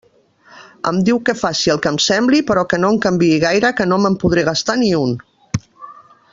Em diu que faci el que em sembli, però que no en canviï gaire, que no me'n podré gastar ni un.